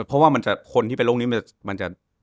เพราะว่าคนที่เป็นโรคนี้มันจะ